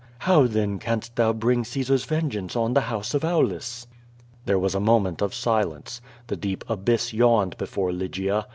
"How, then, canst thou bring Caesar's vengeance on the house of Aulus?" There was a moment of silence. The deep abyss yawned before Lygia.